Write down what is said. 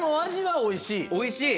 おいしい！